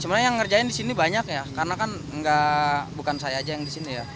sebenarnya yang ngerjain di sini banyak ya karena kan bukan saya aja yang di sini ya